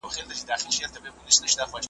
د ده نه ورپام کېدی نه یې په کار وو .